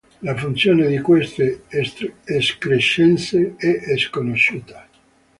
La funzione di queste escrescenze è sconosciuta.